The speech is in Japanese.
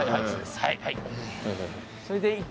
はい。